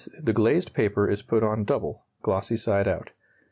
The glazed paper is put on double, glossy side out.